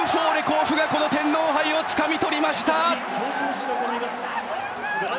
甲府がこの天皇杯をつかみとりました。